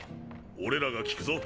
俺らが聞くぞ。